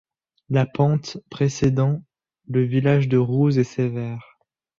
La pente précédant le village de Rouze est sévère.